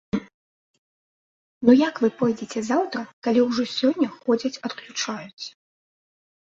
Ну як вы пойдзеце заўтра, калі ўжо сёння ходзяць адключаюць.